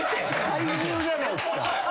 怪獣じゃないっすか。